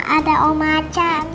ada om achan